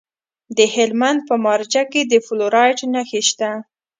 د هلمند په مارجه کې د فلورایټ نښې شته.